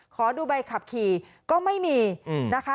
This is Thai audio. ขอดูใบขับขี่ก็ไม่มีนะคะ